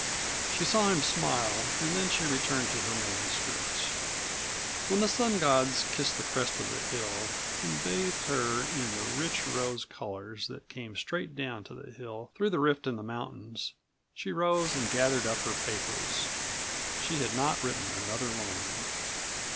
She saw him smile and then she returned to her manuscript. When the Sun Gods kissed the crest of the hill and bathed her in the rich rose colors that came straight down to the hill through the rift in the mountains, she rose and gathered up her papers. She had not written another line.